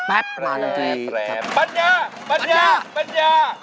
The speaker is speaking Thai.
ปัญญาปัญญาปัญญา